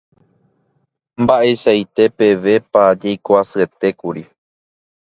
Mba'eichaite pevépa jaikoasyetékuri.